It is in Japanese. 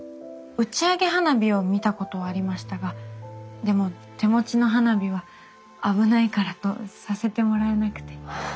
打ち上げ花火を見たことはありましたがでも手持ちの花火は危ないからとさせてもらえなくて。